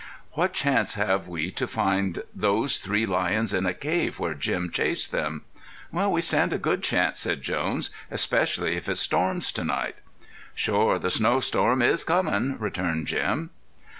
"What chance have we to find those three lions in a cave where Jim chased them?" "We stand a good chance," said Jones. "Especially if it storms to night." "Shore the snow storm is comin'," returned Jim.